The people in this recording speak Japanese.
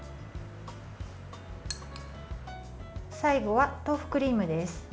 最後は豆腐クリームです。